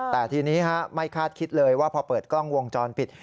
แต่ทีนี้ไม่คาดคิดเลยว่าพอเปิดกล้องวงจรปิด